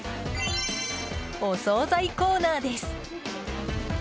お総菜コーナーです。